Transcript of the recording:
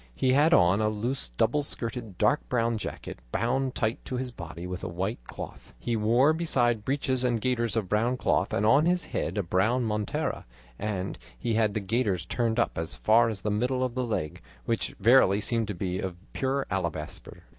He had on a loose double skirted dark brown jacket bound tight to his body with a white cloth; he wore besides breeches and gaiters of brown cloth, and on his head a brown montera; and he had the gaiters turned up as far as the middle of the leg, which verily seemed to be of pure alabaster.